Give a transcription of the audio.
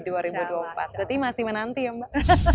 berarti masih menanti ya mbak